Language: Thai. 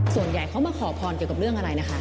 ส่วนใหญ่เขามาขอพรเกี่ยวกับเรื่องอะไรนะคะ